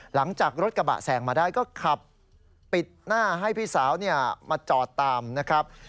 หลังจากรถกระบะแสงมาได้ก็ขับปิดหน้าให้พี่สาวมาจอดตามนะครับ